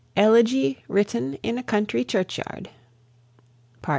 ELEGY WRITTEN IN A COUNTRY CHURCHYARD.